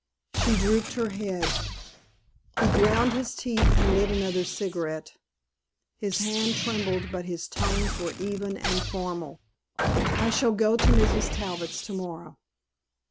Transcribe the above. She drooped her head. He ground his teeth and lit another cigarette. His hand trembled but his tones were even and formal. "I shall go to Mrs. Abbott's tomorrow."